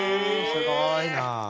すごいな。